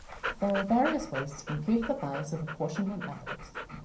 There are various ways to compute the bias of apportionment methods.